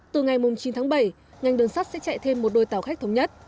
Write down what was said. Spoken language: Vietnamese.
từ ngày chín tháng bảy ngành đường sắt sẽ chạy thêm một đôi tàu khách thống nhất